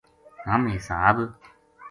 ہم حساب